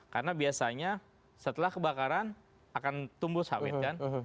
karena biasanya setelah kebakaran akan tumbuh sawit kan